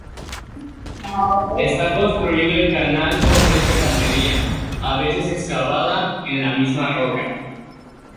Está construido el canal con recia cantería, a veces excavada en la misma roca.